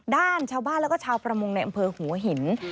ด้านชาวบ้านแล้วก็ชาวประมงในอำเภอหัวหิน